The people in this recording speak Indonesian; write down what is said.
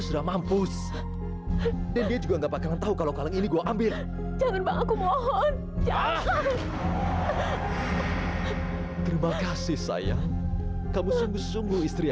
sampai jumpa di video selanjutnya